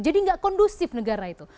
jadi nggak kondusif negara itu